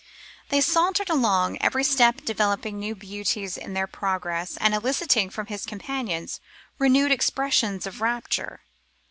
They sauntered along, every step developing new beauties in their progress and eliciting from his companions renewed expressions of rapture.